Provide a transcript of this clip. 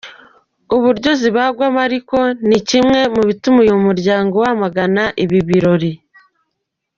Uburyo zibagwamo ariko, ni kimwe mu bituma uyu muryango wamagana ibi birori.